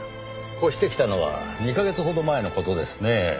越してきたのは２カ月ほど前の事ですねぇ。